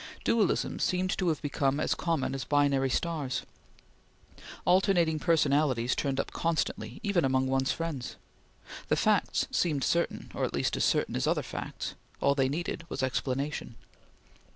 Dualism seemed to have become as common as binary stars. Alternating personalities turned up constantly, even among one's friends. The facts seemed certain, or at least as certain as other facts; all they needed was explanation.